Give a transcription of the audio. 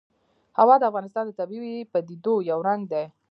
هوا د افغانستان د طبیعي پدیدو یو رنګ دی.